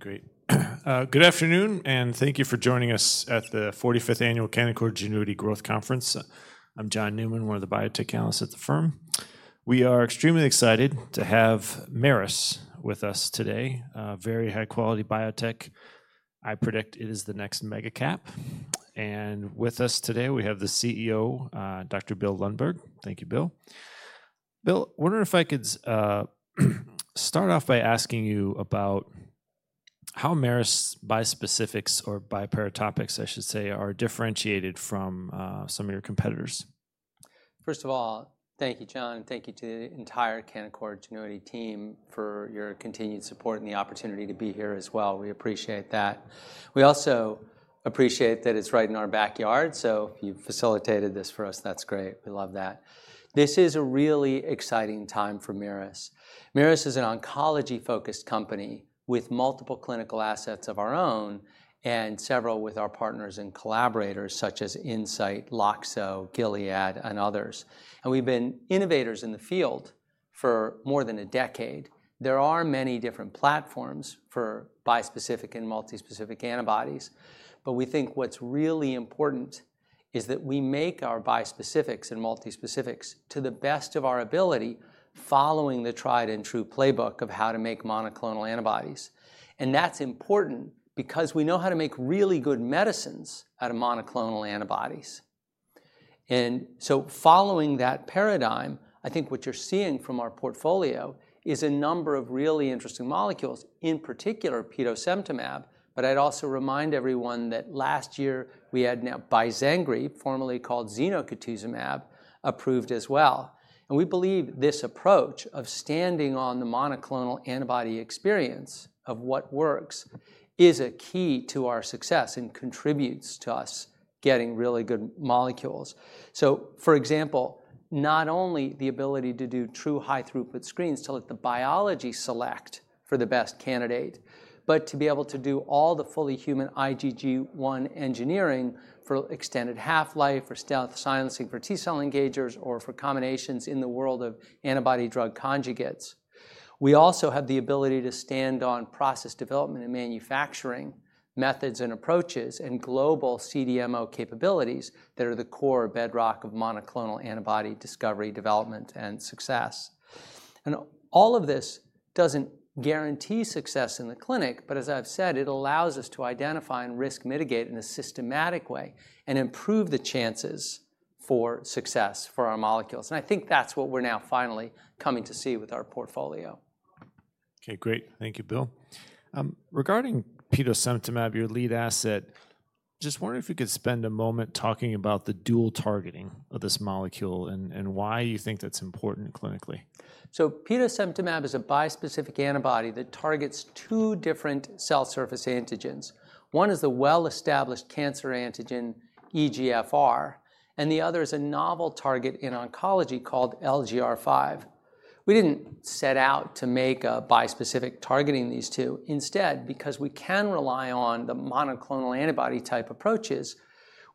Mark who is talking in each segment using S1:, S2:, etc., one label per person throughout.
S1: Okay, great. Good afternoon, and thank you for joining us at the 45th Annual Canaccord Genuity Growth Conference. I'm John Newman, one of the biotech analysts at the firm. We are extremely excited to have Merus with us today, a very high-quality biotech. I predict it is the next mega-cap. With us today, we have the CEO, Dr. Bill Lundberg. Thank you, Bill. Bill, I wonder if I could start off by asking you about how Merus bispecifics, or biparatopics, I should say, are differentiated from some of your competitors?
S2: First of all, thank you, John, and thank you to the entire Canaccord Genuity team for your continued support and the opportunity to be here as well. We appreciate that. We also appreciate that it's right in our backyard, so you've facilitated this for us. That's great. We love that. This is a really exciting time for Merus. Merus is an oncology-focused company with multiple clinical assets of our own and several with our partners and collaborators, such as Incyte, Loxo, Gilead Sciences, and others. We've been innovators in the field for more than a decade. There are many different platforms for bispecific and multispecific antibodies, but we think what's really important is that we make our bispecifics and multispecifics to the best of our ability, following the tried and true playbook of how to make monoclonal antibodies. That's important because we know how to make really good medicines out of monoclonal antibodies. Following that paradigm, I think what you're seeing from our portfolio is a number of really interesting molecules, in particular, petosemtamab. I'd also remind everyone that last year we had now BIZENGRI, formerly called zenocutuzumab, approved as well. We believe this approach of standing on the monoclonal antibody experience of what works is a key to our success and contributes to us getting really good molecules. For example, not only the ability to do true high-throughput screens to let the biology select for the best candidate, but to be able to do all the fully human IgG1 engineering for extended half-life, for stealth silencing for T-cell engagers, or for combinations in the world of antibody-drug conjugates. We also have the ability to stand on process development and manufacturing methods and approaches and global CDMO capabilities that are the core bedrock of monoclonal antibody discovery, development, and success. All of this doesn't guarantee success in the clinic, but as I've said, it allows us to identify and risk mitigate in a systematic way and improve the chances for success for our molecules. I think that's what we're now finally coming to see with our portfolio.
S1: Okay, great. Thank you, Bill. Regarding petosemtamab, your lead asset, just wonder if you could spend a moment talking about the dual targeting of this molecule and why you think that's important clinically.
S2: Petosemtamab is a bispecific antibody that targets two different cell surface antigens. One is the well-established cancer antigen, EGFR, and the other is a novel target in oncology called LGR5. We didn't set out to make a bispecific targeting these two. Instead, because we can rely on the monoclonal antibody-type approaches,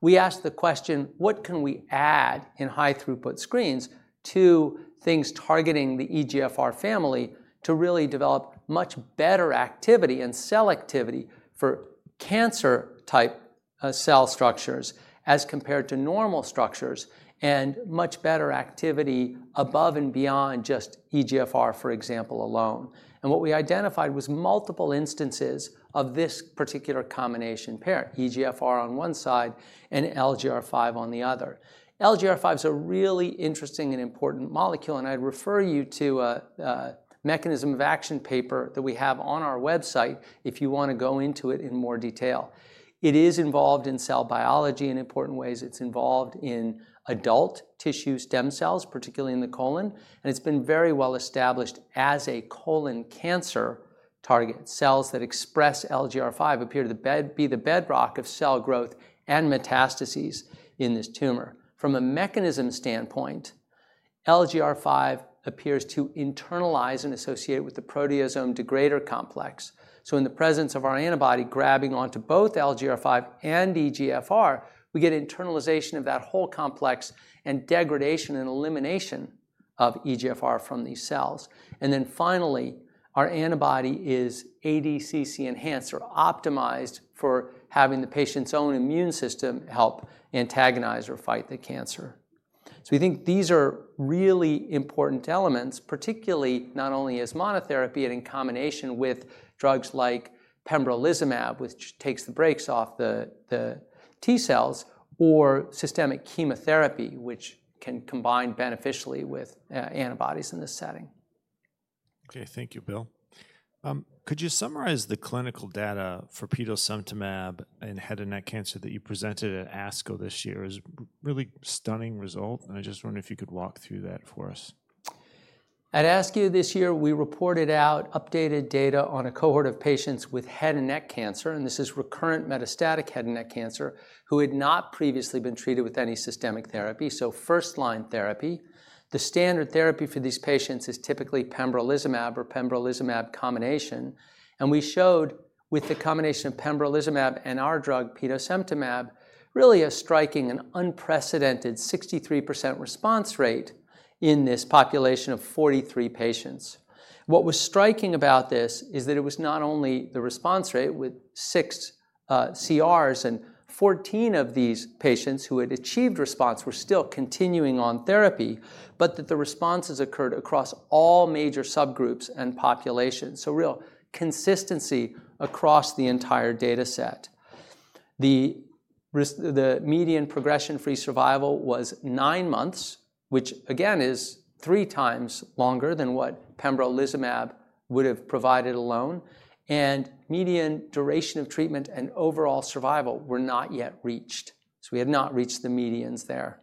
S2: we asked the question, what can we add in high-throughput screens to things targeting the EGFR family to really develop much better activity and cell activity for cancer type cell structures as compared to normal structures and much better activity above and beyond just EGFR, for example, alone. What we identified was multiple instances of this particular combination pair, EGFR on one side and LGR5 on the other. LGR5 is a really interesting and important molecule, and I'd refer you to a mechanism of action paper that we have on our website if you want to go into it in more detail. It is involved in cell biology in important ways. It's involved in adult tissue stem cells, particularly in the colon, and it's been very well established as a colon cancer target. Cells that express LGR5 appear to be the bedrock of cell growth and metastases in this tumor. From a mechanism standpoint, LGR5 appears to internalize and associate with the proteasome degrader complex. In the presence of our antibody grabbing onto both LGR5 and EGFR, we get internalization of that whole complex and degradation and elimination of EGFR from these cells. Finally, our antibody is ADCC-enhanced or optimized for having the patient's own immune system help antagonize or fight the cancer. We think these are really important elements, particularly not only as monotherapy, but in combination with drugs like pembrolizumab, which takes the brakes off the T cells, or systemic chemotherapy, which can combine beneficially with antibodies in this setting.
S1: Okay, thank you, Bill. Could you summarize the clinical data for petosemtamab in head and neck cancer that you presented at ASCO this year? It was a really stunning result, and I just wonder if you could walk through that for us.
S2: At ASCO this year, we reported out updated data on a cohort of patients with head and neck cancer, and this is recurrent metastatic head and neck cancer who had not previously been treated with any systemic therapy, so first-line therapy. The standard therapy for these patients is typically pembrolizumab or pembrolizumab combination, and we showed with the combination of pembrolizumab and our drug, petosemtamab, really a striking and unprecedented 63% response rate in this population of 43 patients. What was striking about this is that it was not only the response rate with six CRs and 14 of these patients who had achieved response were still continuing on therapy, but that the responses occurred across all major subgroups and populations, so real consistency across the entire data set. The median progression-free survival was 9 months, which again is 3x longer than what pembrolizumab would have provided alone, and median duration of treatment and overall survival were not yet reached, so we had not reached the medians there.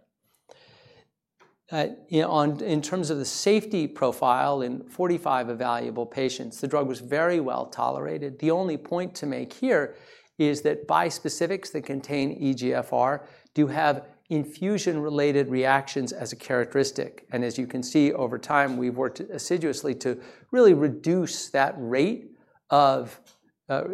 S2: In terms of the safety profile in 45 evaluable patients, the drug was very well-tolerated. The only point to make here is that bispecifics that contain EGFR do have infusion-related reactions as a characteristic, and as you can see over time, we've worked assiduously to really reduce that rate of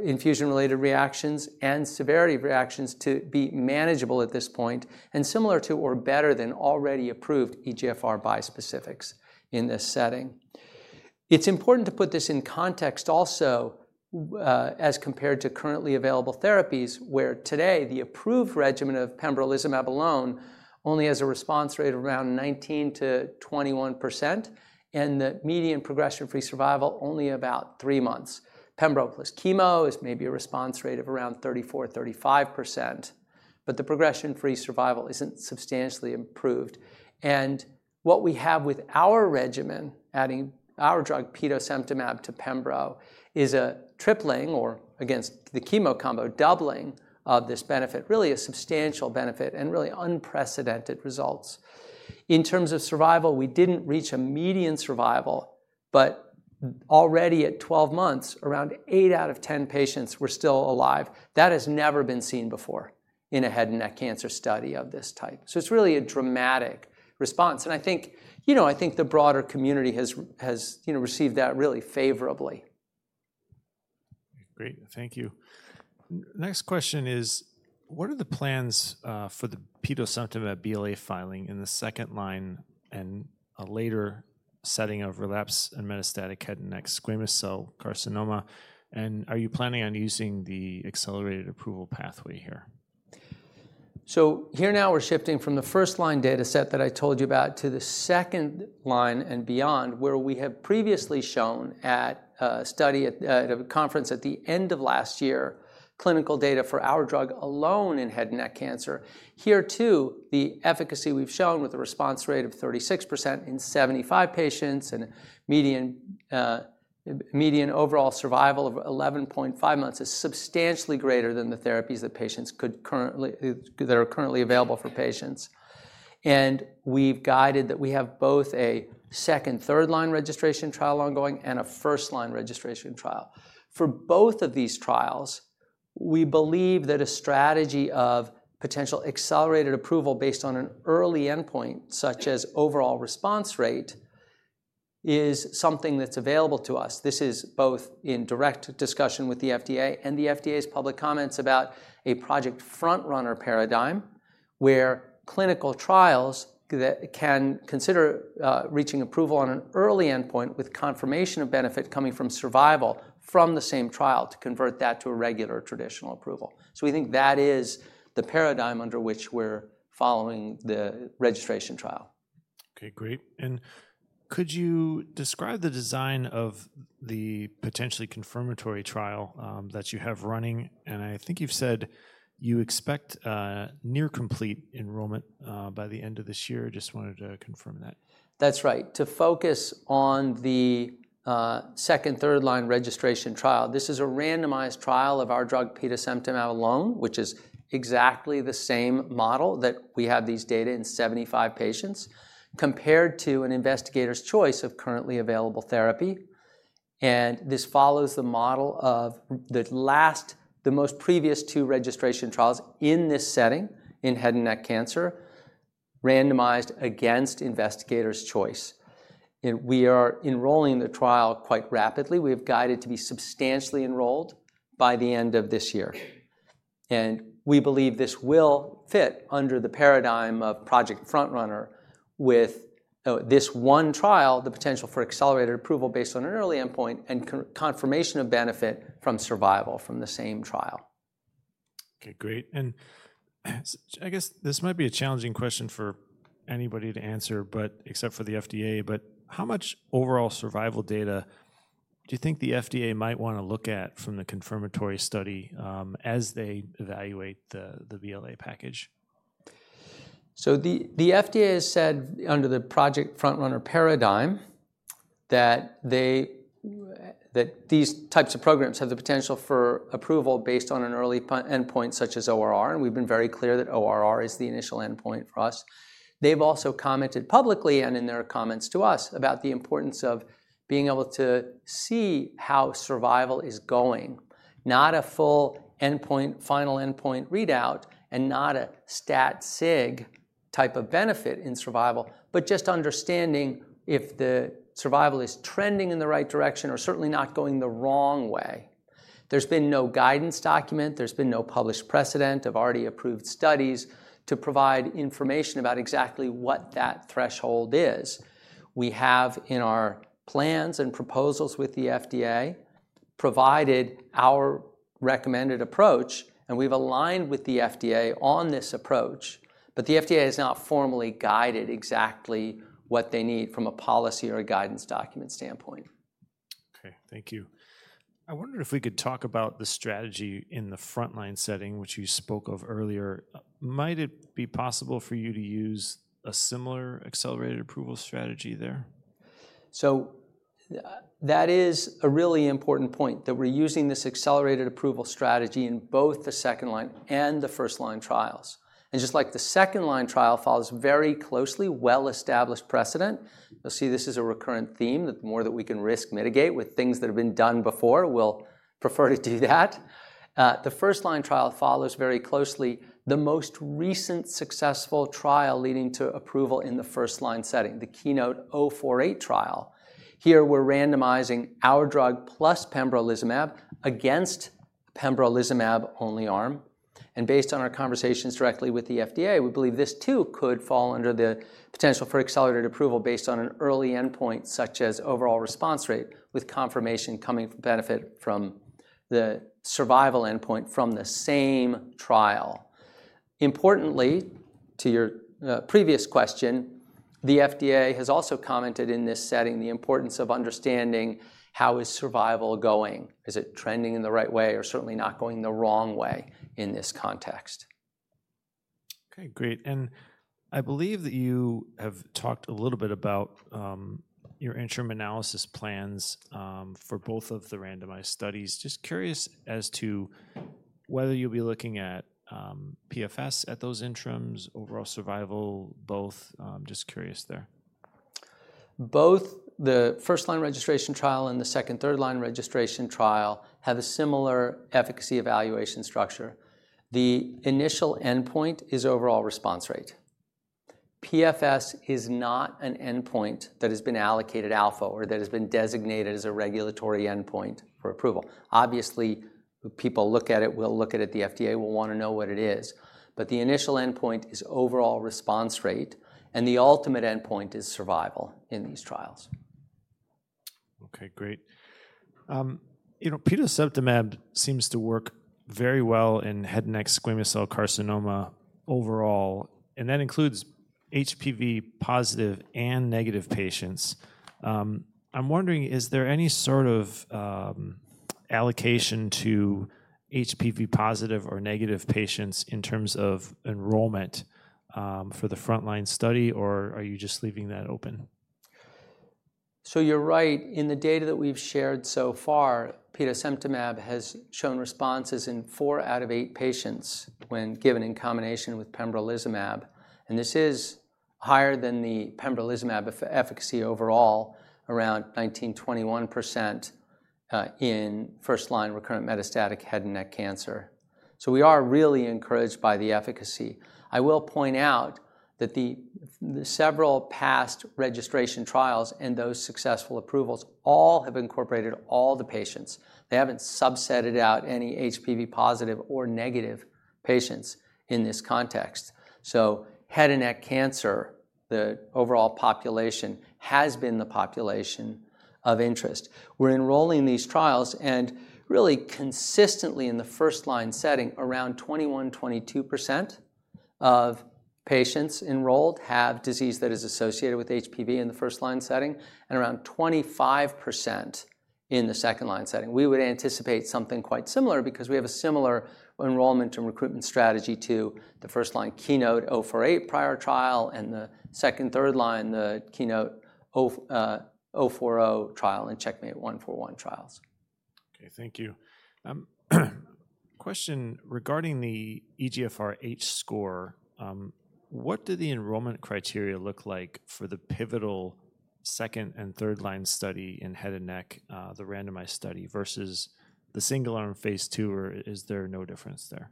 S2: infusion-related reactions and severity of reactions to be manageable at this point and similar to or better than already approved EGFR bispecifics in this setting. It's important to put this in context also as compared to currently available therapies where today the approved regimen of pembrolizumab alone only has a response rate of around 19-21% and the median progression-free survival only about 3 months. Pembro plus chemo is maybe a response rate of around 34-35%, but the progression-free survival isn't substantially improved. What we have with our regimen, adding our drug petosemtamab to pembro, is a tripling or against the chemo combo, doubling of this benefit, really a substantial benefit and really unprecedented results. In terms of survival, we didn't reach a median survival, but already at 12 months, around 8 out of 10 patients were still alive. That has never been seen before in a head and neck cancer study of this type. It's really a dramatic response, and I think the broader community has received that really favorably.
S1: Great, thank you. Next question is, what are the plans for the petosemtamab BLA filing in the second line and a later setting of relapsed and metastatic head and neck squamous cell carcinoma? Are you planning on using the accelerated approval pathway here?
S2: Here now we're shifting from the first-line data set that I told you about to the second line and beyond, where we have previously shown at a study at a conference at the end of last year, clinical data for our drug alone in head and neck cancer. Here too, the efficacy we've shown with a response rate of 36% in 75 patients and median overall survival of 11.5 months is substantially greater than the therapies that are currently available for patients. We've guided that we have both a second/third-line registration trial ongoing and a first-line registration trial. For both of these trials, we believe that a strategy of potential accelerated approval based on an early endpoint, such as overall response rate, is something that's available to us. This is both in direct discussion with the FDA and the FDA's public comments about a Project FrontRunner paradigm where clinical trials can consider reaching approval on an early endpoint with confirmation of benefit coming from survival from the same trial to convert that to a regular traditional approval. We think that is the paradigm under which we're following the registration trial.
S1: Okay, great. Could you describe the design of the potentially confirmatory trial that you have running? I think you've said you expect near complete enrollment by the end of this year. Just wanted to confirm that.
S2: That's right. To focus on the second-third-line registration trial, this is a randomized trial of our drug petosemtamab alone, which is exactly the same model that we have these data in 75 patients compared to an investigator's choice of currently available therapy. This follows the model of the last, the most previous two registration trials in this setting in head and neck cancer, randomized against investigator's choice. We are enrolling the trial quite rapidly. We have guided to be substantially enrolled by the end of this year. We believe this will fit under the paradigm of FDA’s Project FrontRunner with this one trial, the potential for accelerated approval based on an early endpoint and confirmation of benefit from survival from the same trial.
S1: Okay, great. I guess this might be a challenging question for anybody to answer except for the FDA, but how much overall survival data do you think the FDA might want to look at from the confirmatory study as they evaluate the BLA package?
S2: The FDA has said under the FDA’s Project FrontRunner paradigm that these types of programs have the potential for approval based on an early endpoint such as overall response rate, and we've been very clear that overall response rate is the initial endpoint for us. They've also commented publicly and in their comments to us about the importance of being able to see how survival is going, not a full final endpoint readout and not a stat sig-type of benefit in survival, but just understanding if the survival is trending in the right direction or certainly not going the wrong way. There's been no guidance document. There's been no published precedent of already approved studies to provide information about exactly what that threshold is. We have in our plans and proposals with the FDA provided our recommended approach, and we've aligned with the FDA on this approach, but the FDA has not formally guided exactly what they need from a policy or a guidance document standpoint.
S1: Okay, thank you. I wonder if we could talk about the strategy in the frontline setting, which you spoke of earlier. Might it be possible for you to use a similar accelerated approval strategy there?
S2: That is a really important point that we're using this accelerated approval strategy in both the second-line and the first-line trials. Just like the second-line trial follows very closely well-established precedent, you'll see this is a recurrent theme that the more that we can risk mitigate with things that have been done before, we'll prefer to do that. The first-line trial follows very closely the most recent successful trial leading to approval in the first-line setting, the KEYNOTE-048 trial. Here we're randomizing our drug plus pembrolizumab against the pembrolizumab-only arm. Based on our conversations directly with the FDA, we believe this too could fall under the potential for accelerated approval based on an early endpoint such as overall response rate, with confirmation coming for benefit from the survival endpoint from the same trial. Importantly, to your previous question, the FDA has also commented in this setting the importance of understanding how is survival going. Is it trending in the right way or certainly not going the wrong way in this context?
S1: Okay, great. I believe that you have talked a little bit about your interim analysis plans for both of the randomized studies. Just curious as to whether you'll be looking at PFS at those interims, overall survival, both. Just curious there.
S2: Both the first-line registration trial and the second/third-line registration trial have a similar efficacy evaluation structure. The initial endpoint is overall response rate. PFS is not an endpoint that has been allocated alpha or that has been designated as a regulatory endpoint for approval. Obviously, people look at it, will look at it, the FDA will want to know what it is. The initial endpoint is overall response rate, and the ultimate endpoint is survival in these trials.
S1: Okay, great. Petosemtamab seems to work very well in head and neck squamous cell carcinoma overall, and that includes HPV-positive and negative patients. I'm wondering, is there any sort of allocation to HPV-positive or negative patients in terms of enrollment for the front-line study, or are you just leaving that open?
S2: You're right. In the data that we've shared so far, petosemtamab has shown responses in 4 out of 8 patients when given in combination with pembrolizumab. This is higher than the pembrolizumab efficacy overall, around 19%-21% in first-line recurrent metastatic head and neck cancer. We are really encouraged by the efficacy. I will point out that several past registration trials and those successful approvals all have incorporated all the patients. They haven't subsetted out any HPV-positive or negative patients in this context. Head and neck cancer, the overall population, has been the population of interest. We're enrolling these trials and really consistently in the first-line setting, around 21%-22% of patients enrolled have disease that is associated with HPV in the first-line setting and around 25% in the second-line setting. We would anticipate something quite similar because we have a similar enrollment and recruitment strategy to the first-line KEYNOTE-048 prior trial and the second/ third-line KEYNOTE-040 trial and CheckMate-141 trials.
S1: Okay, thank you. Question regarding the EGFR H-score. What do the enrollment criteria look like for the pivotal second and third-line study in head and neck, the randomized study versus the single-arm phase II, or is there no difference there?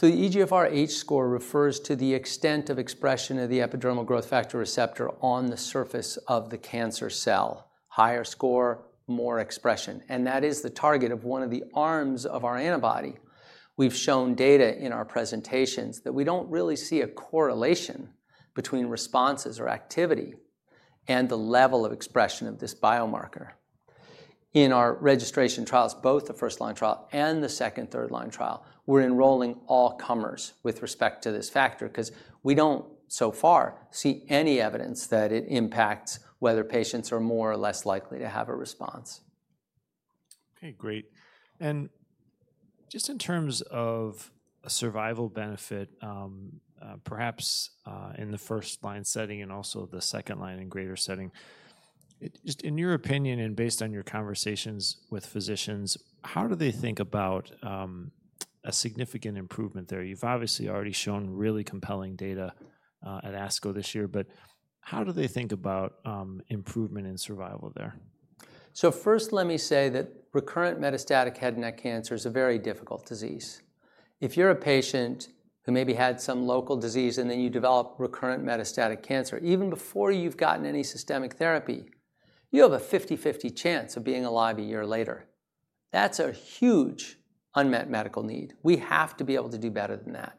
S2: The EGFR H-score refers to the extent of expression of the epidermal growth factor receptor on the surface of the cancer cell. Higher score, more expression. That is the target of one of the arms of our antibody. We've shown data in our presentations that we don't really see a correlation between responses or activity and the level of expression of this biomarker. In our registration trials, both the first-line trial and the second/third-line trial, we're enrolling all-comers with respect to this factor because we don't so far see any evidence that it impacts whether patients are more or less likely to have a response.
S1: Okay, great. In terms of a survival benefit, perhaps in the first-line setting and also the second-line and greater setting, just in your opinion and based on your conversations with physicians, how do they think about a significant improvement there? You've obviously already shown really compelling data at ASCO this year, but how do they think about improvement in survival there?
S2: First, let me say that recurrent metastatic head and neck cancer is a very difficult disease. If you're a patient who maybe had some local disease and then you develop recurrent metastatic cancer, even before you've gotten any systemic therapy, you have a 50/50 chance of being alive a year later. That's a huge unmet medical need. We have to be able to do better than that.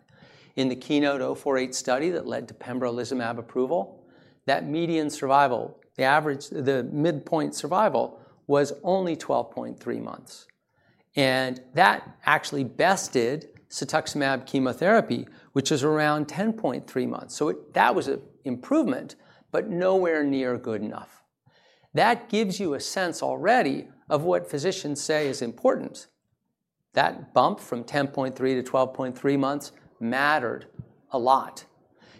S2: In the KEYNOTE-048 study that led to pembrolizumab approval, that median survival, the average midpoint survival, was only 12.3 months. That actually bested cetuximab chemotherapy, which is around 10.3 months. That was an improvement, but nowhere near good enough. That gives you a sense already of what physicians say is important. That bump from 10.3-12.3 months mattered a lot.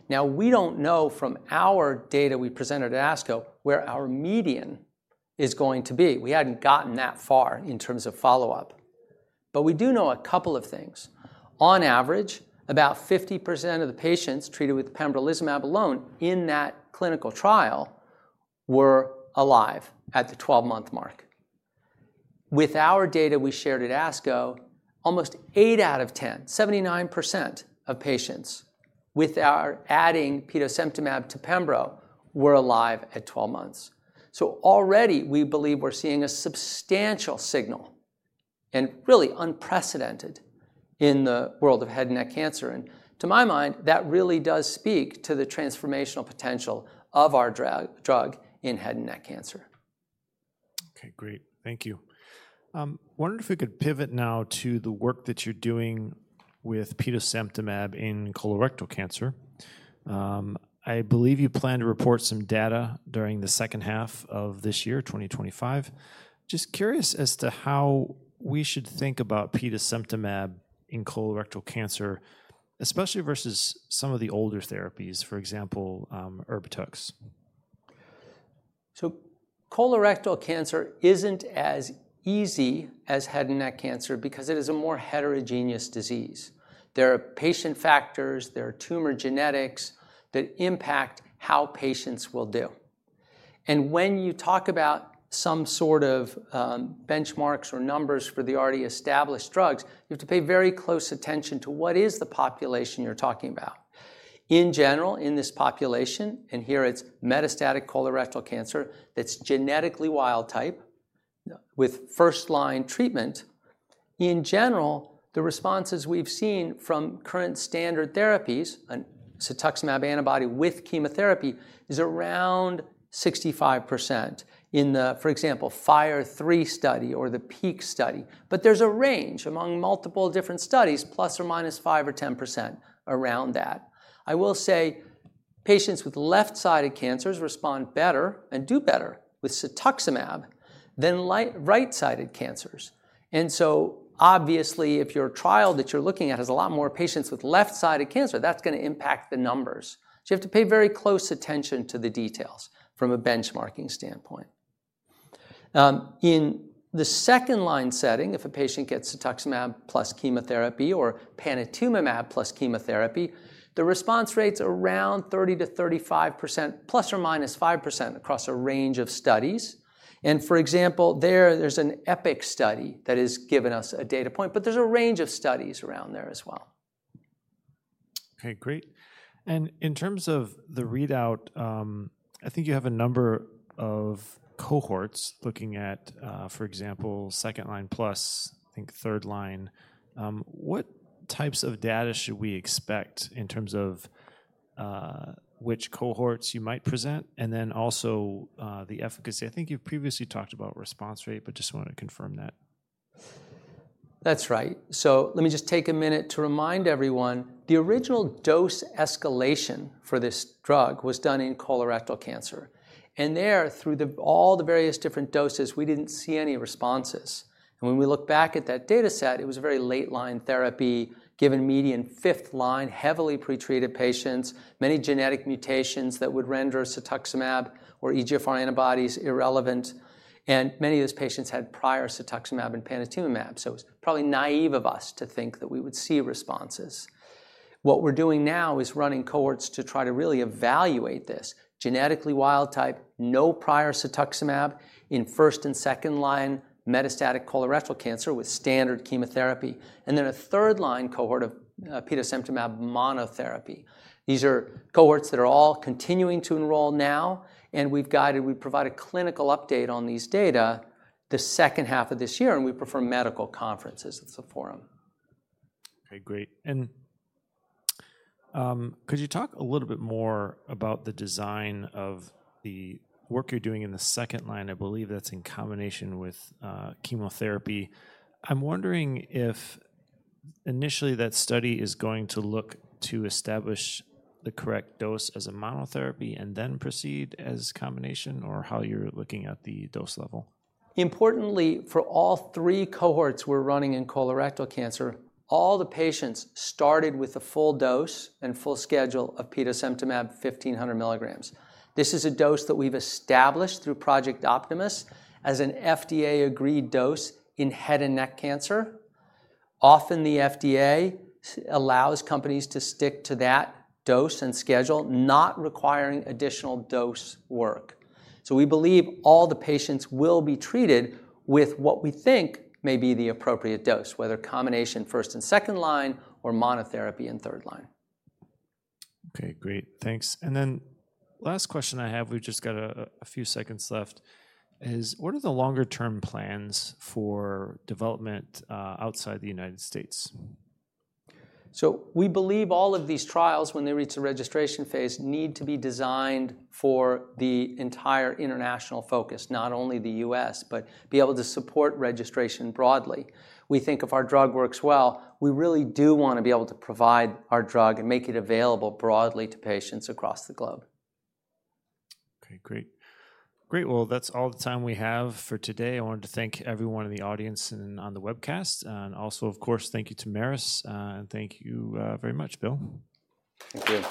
S2: We don't know from our data we presented at ASCO where our median is going to be. We hadn't gotten that far in terms of follow-up. We do know a couple of things. On average, about 50% of the patients treated with pembrolizumab alone in that clinical trial were alive at the 12-month mark. With our data we shared at ASCO, almost 8 out of 10, 79% of patients with our adding petosemtamab to pembro were alive at 12 months. Already we believe we're seeing a substantial signal and really unprecedented in the world of head and neck cancer. To my mind, that really does speak to the transformational potential of our drug in head and neck cancer.
S1: Okay, great. Thank you. I wonder if we could pivot now to the work that you're doing with petosemtamab in colorectal cancer. I believe you plan to report some data during the second half of this year, 2025. Just curious as to how we should think about petosemtamab in colorectal cancer, especially versus some of the older therapies, for example, Erbitux.
S2: Colorectal cancer isn't as easy as head and neck cancer because it is a more heterogeneous disease. There are patient factors, and there are tumor genetics that impact how patients will do. When you talk about some sort of benchmarks or numbers for the already-established drugs, you have to pay very close attention to what is the population you're talking about. In general, in this population, and here it's metastatic colorectal cancer that's genetically wild-type with first-line treatment, the responses we've seen from current standard therapies, a cetuximab antibody with chemotherapy, is around 65% in the, for example, FIRE3 study or the PEAK study. There's a range among multiple different studies, ±5% or ±10% around that. Patients with left-sided cancers respond better and do better with cetuximab than right-sided cancers. Obviously, if your trial that you're looking at has a lot more patients with left-sided cancer, that's going to impact the numbers. You have to pay very close attention to the details from a benchmarking standpoint. In the second-line setting, if a patient gets cetuximab plus chemotherapy or panitumumab plus chemotherapy, the response rate's around 30-35%, ±5% across a range of studies. For example, there's an EPIC study that has given us a data point, but there's a range of studies around there as well.
S1: Okay, great. In terms of the readout, I think you have a number of cohorts looking at, for example, second-line plus, I think, third-line. What types of data should we expect in terms of which cohorts you might present, and then also the efficacy? I think you previously talked about response rate, but just want to confirm that.
S2: That's right. Let me just take a minute to remind everyone, the original dose escalation for this drug was done in colorectal cancer. There, through all the various different doses, we didn't see any responses. When we look back at that data set, it was a very late-line therapy, given median fifth-line, heavily pretreated patients, many genetic mutations that would render cetuximab or EGFR antibodies irrelevant. Many of those patients had prior cetuximab and panitumumab. It was probably naive of us to think that we would see responses. What we're doing now is running cohorts to try to really evaluate this. Genetically wild-type, no prior cetuximab in first and second-line metastatic colorectal cancer with standard chemotherapy, and then a third-line cohort of petosemtamab monotherapy. These are cohorts that are all continuing to enroll now, and we've provided clinical update on these data the second half of this year, and we prefer medical conferences. It's a forum.
S1: Okay, great. Could you talk a little bit more about the design of the work you're doing in the second-line? I believe that's in combination with chemotherapy. I'm wondering if initially that study is going to look to establish the correct dose as a monotherapy and then proceed as combination, or how you're looking at the dose-level.
S2: Importantly, for all three cohorts we're running in colorectal cancer, all the patients started with a full dose and full schedule of petosemtamab 1,500 mg. This is a dose that we've established through FDA’s Project Optimus as an FDA-agreed dose in head and neck cancer. Often, the FDA allows companies to stick to that dose and schedule, not requiring additional dose work. We believe all the patients will be treated with what we think may be the appropriate dose, whether combination first and second-line or monotherapy in third-line.
S1: Okay, great. Thanks. The last question I have, we've just got a few seconds left, is what are the longer-term plans for development outside the U.S.?
S2: We believe all of these trials, when they reach the registration phase, need to be designed for the entire international focus, not only the U.S., but be able to support registration broadly. We think if our drug works well, we really do want to be able to provide our drug and make it available broadly to patients across the globe.
S1: Okay, great. That's all the time we have for today. I wanted to thank everyone in the audience and on the webcast. Of course, thank you to Merus. Thank you very much, Bill.
S2: Thank you.